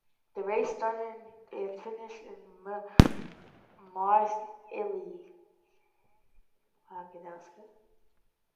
The race started and finished in Marseille.